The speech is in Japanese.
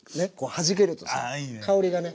はじけるとさ香りがね。